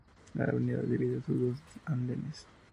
La avenida divide sus dos andenes.